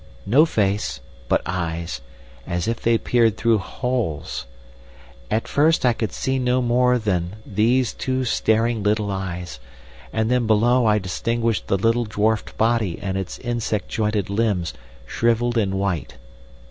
No face, but eyes, as if they peered through holes. At first I could see no more than these two staring little eyes, and then below I distinguished the little dwarfed body and its insect jointed limbs shrivelled and white.